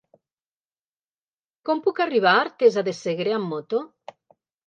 Com puc arribar a Artesa de Segre amb moto?